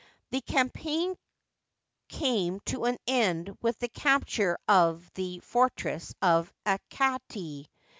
The campaign came to an end with the capture of the fortress 01 Akati.